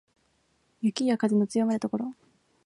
雪や風の強まる所